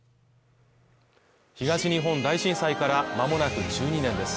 東日本大震災からまもなく１２年です。